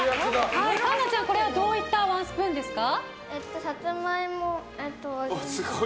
栞奈ちゃん、これはどういったワンスプーンですか？